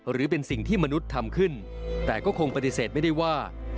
หรือเป็นสิ่งที่มนุษย์ทำขึ้นแต่ก็คงปฏิเสธไม่ได้ว่า